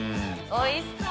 おいしそう！